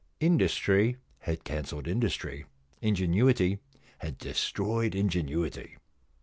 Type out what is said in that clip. Industry had cancelled industry ; ingenuity had destroyed ingenuity.